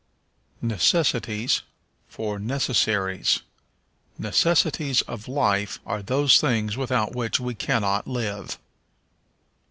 Necessities for Necessaries. "Necessities of life are those things without which we cannot live."